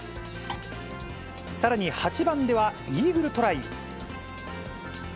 さらに８番ではイーグルトライ。